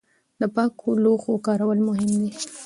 د پاکو لوښو کارول مهم دي.